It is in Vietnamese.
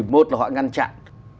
một là họ ngăn chặn